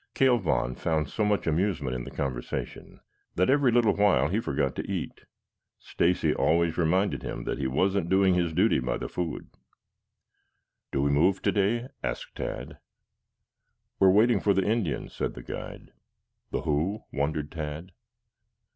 Cale Vaughn found so much amusement in the conversation that every little while he forgot to eat. Stacy always reminded him that he wasn't doing his duty by the food. "Do we move today?" asked Tad. "We are waiting for the Indian," said the guide. "The who?" wondered Tad.